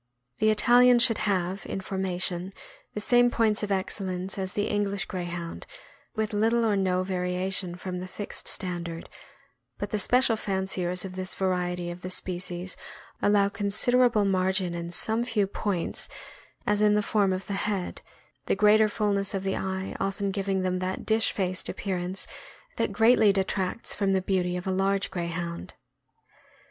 The Italian should have, in formation, the same points of excellence as the English Greyhound, with little or no variation from the fixed standard; but the special fanciers of this variety of the species allow consid erable margin in some few points, as in the form of the head, the greater fullness of the eye often giving them that "dish faced" appearance that greatly detracts from the beauty of a large Greyhound.